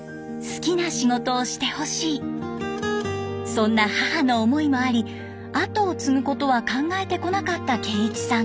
そんな母の思いもあり後を継ぐことは考えてこなかった桂一さん。